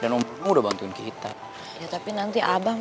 wah pasti itu beb